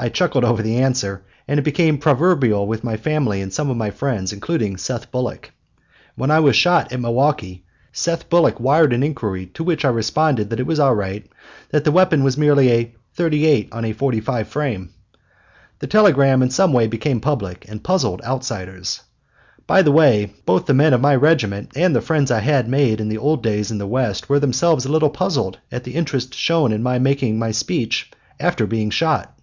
I chuckled over the answer, and it became proverbial with my family and some of my friends, including Seth Bullock. When I was shot at Milwaukee, Seth Bullock wired an inquiry to which I responded that it was all right, that the weapon was merely "a .38 on a .45 frame." The telegram in some way became public, and puzzled outsiders. By the way, both the men of my regiment and the friends I had made in the old days in the West were themselves a little puzzled at the interest shown in my making my speech after being shot.